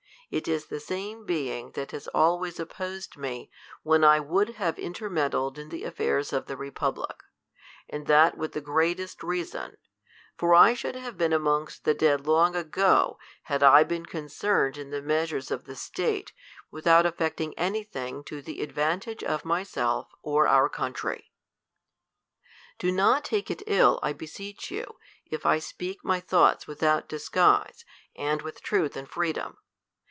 It is the same being that has always opposed me, when 1, would have intermeddled in the afiairs of the republic A and that with the greatest reasoo ; for I should havd^ been amongst the dead long ago, had I been concerned in the measures of the state, without effecting any thing to the advantage of myself, or our country. Do not take it ill, I beseech you, if I speak myl thoughts without disguise, and with truth and freedom.